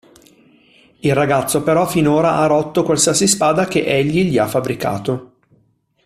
Il ragazzo però finora ha rotto qualsiasi spada che egli gli ha fabbricato.